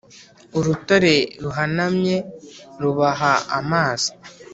urutare ruhanamye rubaha amazi,